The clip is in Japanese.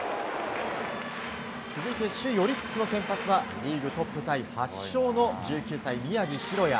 続いて首位オリックスの先発はリーグトップタイ８勝の１９歳、宮城大弥。